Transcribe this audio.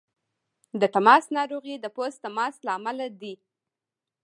د تماس ناروغۍ د پوست تماس له امله دي.